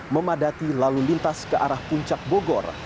memadati lalu lintas ke arah puncak bogor